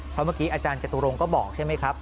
เพราะเมื่อกี้อาจารย์จตุรงค์ก็บอกใช่ไหมครับ